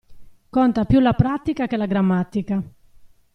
Conta più la pratica che la grammatica.